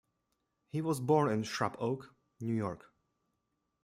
He was born in Shrub Oak, New York.